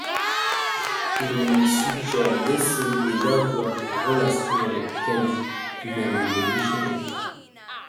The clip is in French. Il lui suggère d'essayer d'avoir une relation avec Cadie, une amie de Michelle.